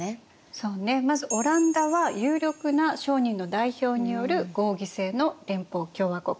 まずオランダは有力な商人の代表による合議制の連邦共和国。